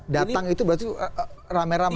datang itu berarti rame rame